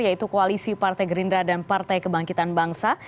yaitu koalisi partai gerindra dan partai kebangkitan bangsa